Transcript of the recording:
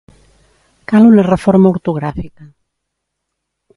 Cal una reforma ortogràfica.